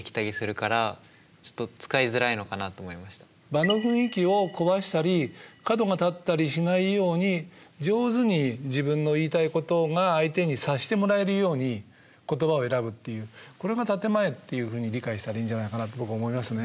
場の雰囲気を壊したり角が立ったりしないように上手に自分の言いたいことが相手に察してもらえるように言葉を選ぶっていうこれが建て前っていうふうに理解したらいいんじゃないかなって僕は思いますね。